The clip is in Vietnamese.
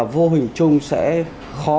vô hình chung sẽ khó